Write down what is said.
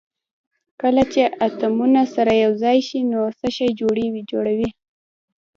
کله چې اتومونه سره یو ځای شي نو څه شی جوړوي